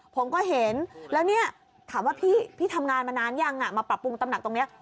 ผมก็เห็นแล้วเนี่ยถามว่าพี่ทำงานมานานยังมาปรับปรุงตำหนักตรงนี้